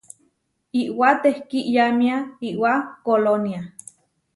Iʼwá tehkí iyámia iʼwá Kolónia.